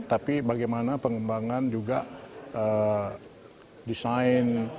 tapi bagaimana pengembangan juga desain